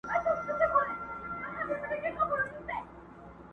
تازه زخمونه مي د خیال په اوښکو مه لمبوه٫